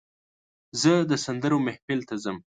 زه د سندرو محفل ته ځم.